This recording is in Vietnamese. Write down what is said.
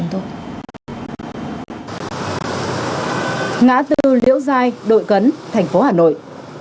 ngã tư liễu giai đội cấn thành phố hà nội